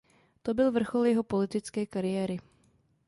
To byl vrchol jeho politické kariéry.